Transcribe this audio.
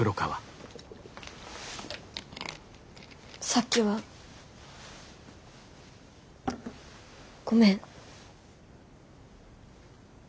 さっきはごめん。